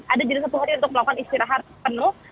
ada jadi satu hari untuk melakukan istirahat penuh